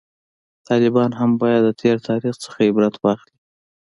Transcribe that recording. طالبان هم باید د تیر تاریخ نه عبرت واخلي